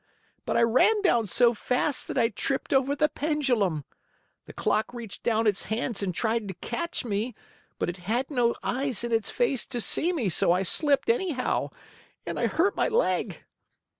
But I ran down so fast that I tripped over the pendulum. The clock reached down its hands and tried to catch me, but it had no eyes in its face to see me, so I slipped, anyhow, and I hurt my leg."